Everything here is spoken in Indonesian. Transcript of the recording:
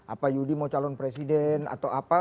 apa yudi mau calon presiden atau apa